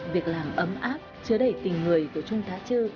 việc làm ấm áp chứa đẩy tình người của trung thá chư